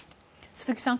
鈴木さん